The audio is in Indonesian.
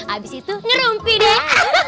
abis itu ngerumpi deh